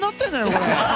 これ。